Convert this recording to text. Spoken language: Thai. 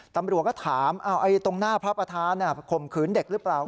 ตำรวจก็ถามตรงหน้าพระประธานข่มขืนเด็กหรือเปล่า